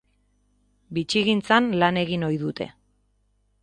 Bitxigintzan lan egin ohi dute.